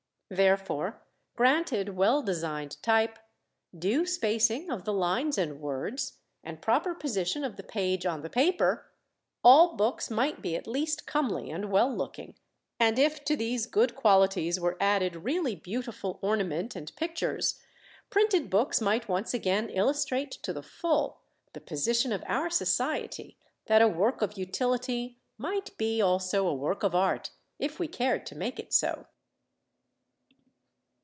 Therefore, granted well designed type, due spacing of the lines and words, and proper position of the page on the paper, all books might be at least comely and well looking: and if to these good qualities were added really beautiful ornament and pictures, printed books might once again illustrate to the full the position of our Society that a work of utility might be also a work of art, if we cared to make it so.